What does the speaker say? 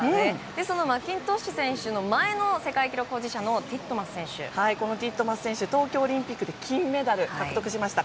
マッキントッシュ選手の前の世界記録保持者のティットマス選手は東京オリンピックで金メダルを獲得しました。